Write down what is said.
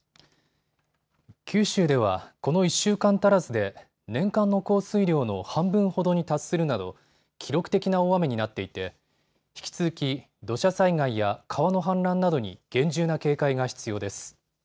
九州ではこの１週間足らずで年間の降水量の半分ほどに達するなど記録的な大雨になっていて引き続き、土砂災害や川の氾濫などに厳重な警戒が必要です。